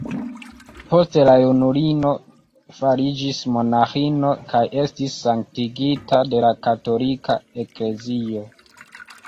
Poste la junulino fariĝis monaĥino kaj estis sanktigita de la katolika Eklezio.